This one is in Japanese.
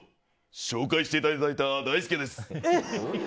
紹介していただいたダイスケです。